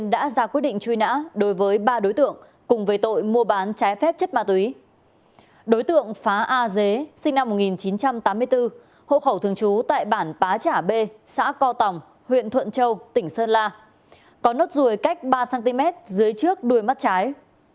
đối tượng phá a dế sinh năm một nghìn chín trăm tám mươi bốn hộ khẩu thường trú tại bản bá trả bê xã co tòng huyện thuận châu tỉnh sơn la có nốt ruồi cách ba cm dưới trước đuôi mắt trái